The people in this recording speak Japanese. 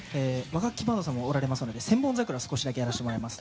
和楽器バンドさんもおられますので「千本桜」を少しだけやらせてもらいます。